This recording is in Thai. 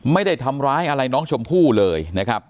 ไม่ได้ทำร้ายอะไรน้องชมพู่เลยนะครับ